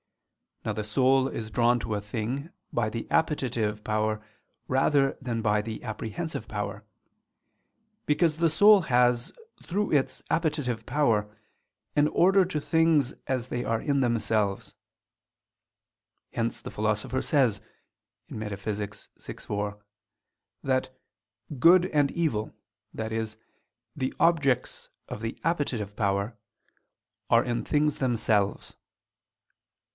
Now the soul is drawn to a thing by the appetitive power rather than by the apprehensive power: because the soul has, through its appetitive power, an order to things as they are in themselves: hence the Philosopher says (Metaph. vi, 4) that "good and evil," i.e. the objects of the appetitive power, "are in things themselves."